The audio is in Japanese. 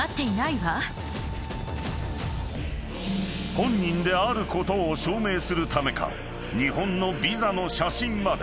［本人であることを証明するためか日本のビザの写真まで］